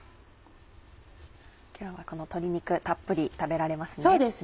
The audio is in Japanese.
今日はこの鶏肉たっぷり食べられますね。